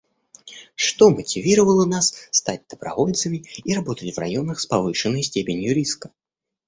Что мотивировало нас стать добровольцами и работать в районах с повышенной степенью риска?